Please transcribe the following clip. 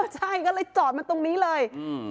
ใช่ก็เลยจอดมันตรงนี้เลย